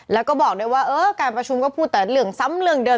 แล้วก็บอกด้วยว่าเออการประชุมก็พูดแต่เรื่องซ้ำเรื่องเดิม